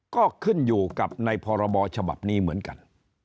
ก็ขึ้นอยู่กับในพรบฉบับนี้เหมือนกัน